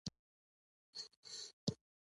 ایا کریم زما مخ ته تاوان لري؟